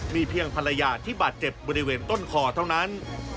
มีเพียงภรรยาที่บาดเจ็บบริเวณต้นคอเท่านั้น